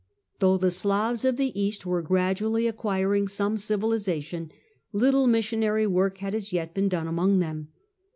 Though the Slavs of the East were gradually acquiring some civilisation, little missionary work had as yet been done among them.